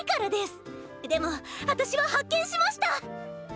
でもあたしは発見しました！